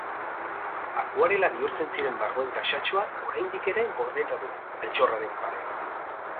Akuarela bihurtzen ziren margoen kajatxoa, oraindik ere gordeta du, altxorraren pare.